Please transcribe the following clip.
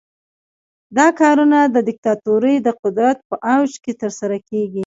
دا کارونه د دیکتاتورۍ د قدرت په اوج کې ترسره کیږي.